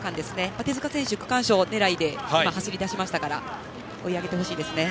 手塚選手、区間賞狙いで走り出しましたから追い上げてほしいですね。